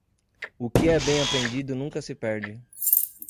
O que é bem aprendido nunca se perde.